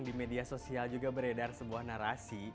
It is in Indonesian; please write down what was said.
di media sosial juga beredar sebuah narasi